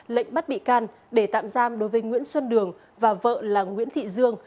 lệnh bắt bị can để tạm giam đối với nguyễn xuân đường và vợ là nguyễn thị dương